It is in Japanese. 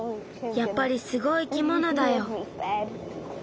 やっぱりすごい生き物だよ。